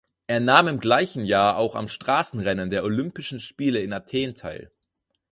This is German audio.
Er nahm im gleichen Jahr auch am Straßenrennen der Olympischen Spiele in Athen teil.